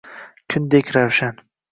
Kundek ravshan.